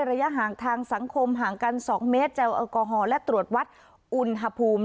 ระยะห่างทางสังคมห่างกัน๒เมตรเจลแอลกอฮอลและตรวจวัดอุณหภูมิ